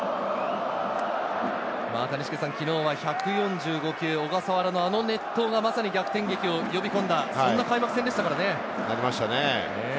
谷繁さん、昨日は１４５球の小笠原のあの熱投がまさに逆転劇を呼び込んだ、そんな開幕戦でしたね。